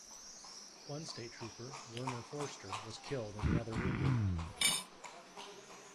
One state trooper, Werner Foerster, was killed and the other wounded.